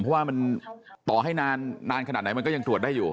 เพราะว่ามันต่อให้นานขนาดไหนมันก็ยังตรวจได้อยู่